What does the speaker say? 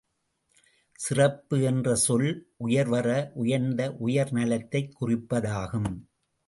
சிறப்பு என்ற சொல் உயர்வற உயர்ந்த உயர் நலத்தைக் குறிப்பதாகும்.